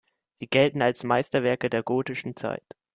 Sie gelten als Meisterwerke der gotischen Zeit.